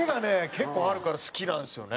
結構あるから好きなんですよね。